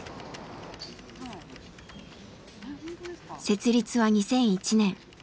☎設立は２００１年。